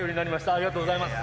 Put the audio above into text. ありがとうございます。